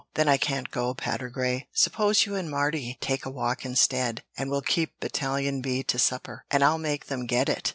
Then I can't go, Patergrey! Suppose you and Mardy take a walk instead, and we'll keep Battalion B to supper, and I'll make them get it!"